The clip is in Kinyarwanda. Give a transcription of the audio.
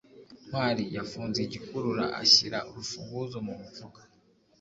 ntwali yafunze igikurura ashyira urufunguzo mu mufuka